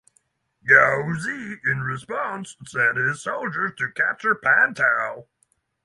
Gou Xi in response sent his soldiers to capture Pan Tao.